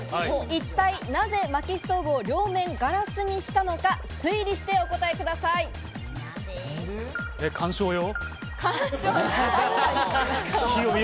一体なぜ、薪ストーブを両面ガラスにしたのか、推理してお答えく観賞用？